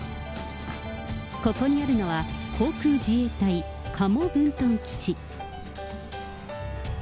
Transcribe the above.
ここにあるのは、航空自衛隊加茂分屯基地。